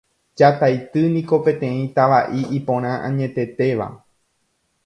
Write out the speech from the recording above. Jataity niko peteĩ tava'i iporã añetetéva